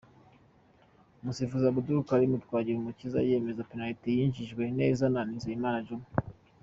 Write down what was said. Umusifuzi Abdul Karim Twagirumukiza yemeza penaliti yinjijwe neza na Nizeyimana Djuma.